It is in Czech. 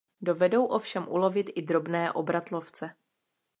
Dovedou ovšem ulovit i drobné obratlovce.